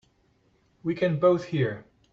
We can both hear.